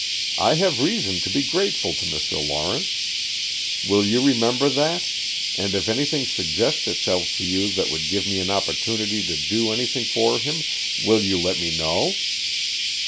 I have reason to be grateful to Mr. Lawrence. Will you remember that, and if anything suggests itself to you that would give me an opportunity to do anything for him, will you let me know?"